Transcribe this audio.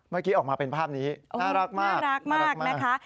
เมื่อกี้ออกมาเป็นภาพนี้น่ารักมากน่ารักมากนะคะ